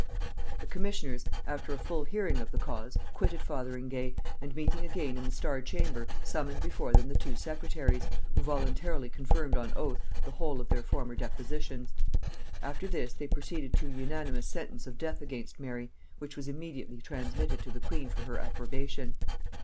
The commissioners, after a full hearing, of the cause, quitted Fotheringay, and, meeting again in the Star chamber summoned before them the two secretaries, who voluntarily confirmed on oath the whole of their former depositions: after this, they proceeded to an unanimous sentence of death against Mary, which was immediately transmitted to the queen for her approbation.